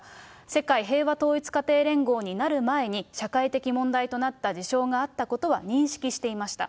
世界平和統一家庭連合になる前に、社会的問題となった事象があったことは認識していました。